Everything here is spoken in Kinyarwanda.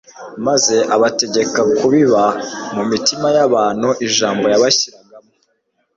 maze abategeka kubiba mu mitima y'abantu ijambo yabashyiragamo.